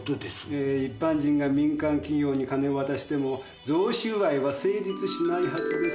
えー一般人が民間企業に金を渡しても贈収賄は成立しないはずです。